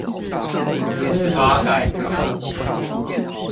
司法改革